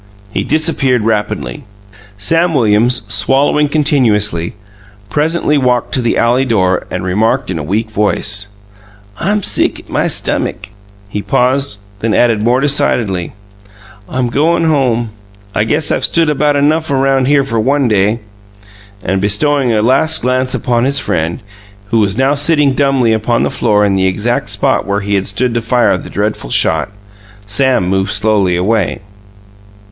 He disappeared rapidly. Sam Williams, swallowing continuously, presently walked to the alley door, and remarked in a weak voice, "I'm sick at my stummick." He paused, then added more decidedly: "I'm goin' home. I guess I've stood about enough around here for one day!" And bestowing a last glance upon his friend, who was now sitting dumbly upon the floor in the exact spot where he had stood to fire the dreadful shot, Sam moved slowly away.